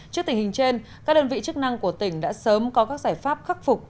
trước tình hình trên các đơn vị chức năng của tỉnh đã sớm có các giải pháp khắc phục